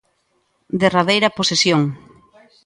Derradeira posesión.